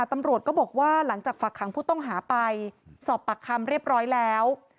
ตำรวจก็บอกว่าหลังจากฝากขังผู้ต้องหาไปสอบปากคำเรียบร้อยแล้ว